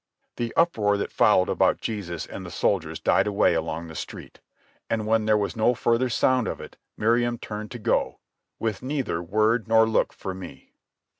The uproar that followed about Jesus and the soldiers died away along the street. And when there was no further sound of it Miriam turned to go, with neither word nor look for me.